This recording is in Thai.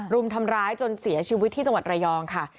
รุมทำร้ายจนเสียชีวิตที่จังหวัดระยองค่ะ